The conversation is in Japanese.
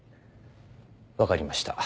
分かりました。